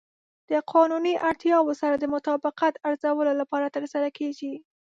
د قانوني اړتیاوو سره د مطابقت ارزولو لپاره ترسره کیږي.